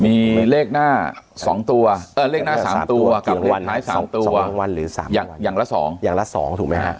มีเลขหน้า๓ตัวกับเลขท้าย๓ตัวอย่างละ๒ถูกไหมครับ